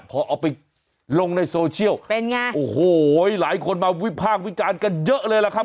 พอเอาไปลงในโซเชียลเป็นไงโอ้โหหลายคนมาวิพากษ์วิจารณ์กันเยอะเลยล่ะครับ